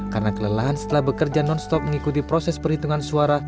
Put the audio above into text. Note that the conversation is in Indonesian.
karena kelelahan setelah bekerja non stop mengikuti proses perhitungan suara